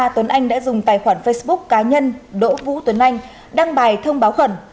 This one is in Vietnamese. tuấn anh đã dùng tài khoản facebook cá nhân đỗ vũ tuấn anh đăng bài thông báo khẩn